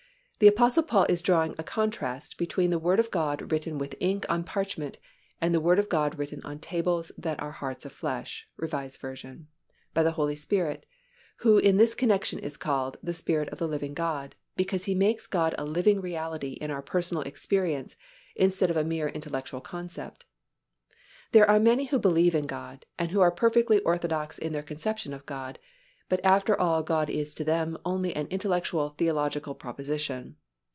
The Apostle Paul is drawing a contrast between the Word of God written with ink on parchment and the Word of God written on "tables that are hearts of flesh" (R. V.) by the Holy Spirit, who in this connection is called "the Spirit of the living God," because He makes God a living reality in our personal experience instead of a mere intellectual concept. There are many who believe in God, and who are perfectly orthodox in their conception of God, but after all God is to them only an intellectual theological proposition.